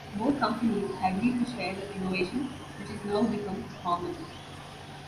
Both companies agreed to share the innovation, which has now become common.